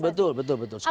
betul betul betul sekali